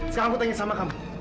sekarang aku tanya sama kamu